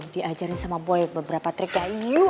diajarin sama boy beberapa triknya